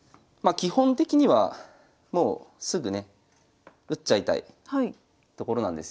基本的にはもうすぐね打っちゃいたいところなんですよ。